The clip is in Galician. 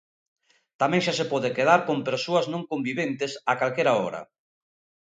Tamén xa se pode quedar con persoas non conviventes a calquera hora.